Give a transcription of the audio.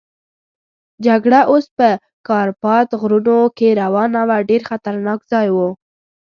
جګړه اوس په کارپات غرونو کې روانه وه، ډېر خطرناک ځای وو.